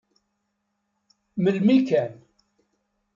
Melmi kan.